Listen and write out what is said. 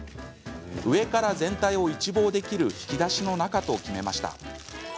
上から全体を一望できる引き出しの中と決めました。